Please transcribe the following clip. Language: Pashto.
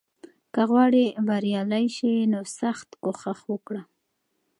که غواړې بریالی شې، نو سخت کوښښ وکړه.